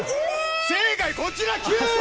正解こちら９位！